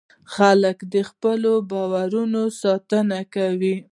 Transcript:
خلک د خپلو باورونو ساتنه کوي.